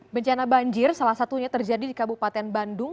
bencana banjir salah satunya terjadi di kabupaten bandung